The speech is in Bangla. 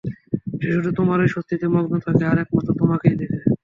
সে শুধু তোমারই স্তুতিতে মগ্ন থাকে, আর একমাত্র তোমাকেই দেখে।